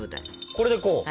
これでこう？